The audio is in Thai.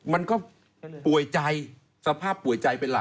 มันก็ป่วยใจสภาพป่วยใจเป็นหลัก